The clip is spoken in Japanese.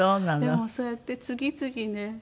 でもそうやって次々ね。